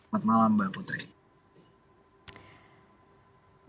pertama malam mbak putri